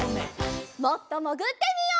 もっともぐってみよう！